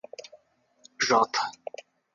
J